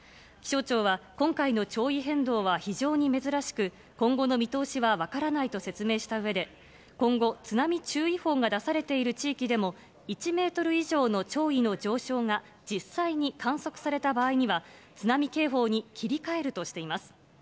気象庁は今回の潮位変動は非常に珍しく、今後の見通しは分からないと説明したうえで、今後、津波注意報が出されている地域でも、１メートル以上の潮位の上昇が実際に観測された場合には、津波警報に切り替えるとしています。